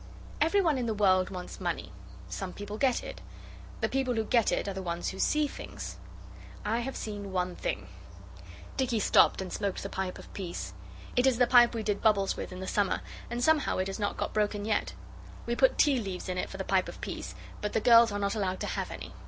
'Every one in the world wants money. Some people get it. The people who get it are the ones who see things. I have seen one thing.' Dicky stopped and smoked the pipe of peace. It is the pipe we did bubbles with in the summer, and somehow it has not got broken yet. We put tea leaves in it for the pipe of peace, but the girls are not allowed to have any.